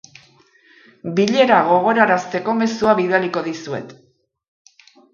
Bilera gogorarazteko mezua bidaliko dizuet.